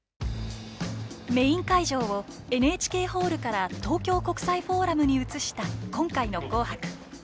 メイン会場をＮＨＫホールから東京国際フォーラムに移した今回の「紅白」。